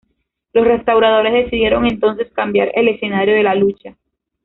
Los restauradores decidieron entonces cambiar el escenario de la lucha.